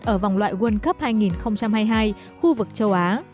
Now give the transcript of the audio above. ở vòng loại world cup hai nghìn hai mươi hai khu vực châu á